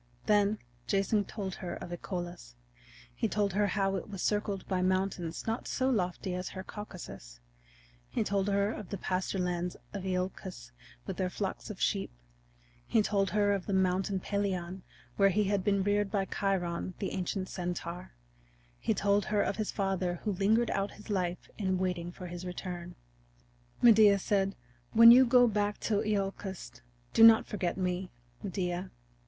Then Jason told her of Icolus; he told her how it was circled by mountains not so lofty as her Caucasus; he told her of the pasture lands of Iolcus with their flocks of sheep; he told her of the Mountain Pelion where he had been reared by Chiron, the ancient centaur; he told her of his father who lingered out his life in waiting for his return. Medea said: "When you go back to Iolcus do not forget me, Medea.